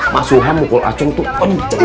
mas suha mukul aceng tuh pencet